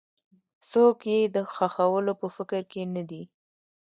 څوک یې د ښخولو په فکر کې نه دي.